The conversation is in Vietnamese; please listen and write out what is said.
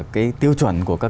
cái tiêu chuẩn của các